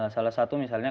salah satu misalnya